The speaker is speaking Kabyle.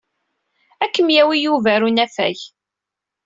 Ad kem-yawi Yuba ɣer unafag.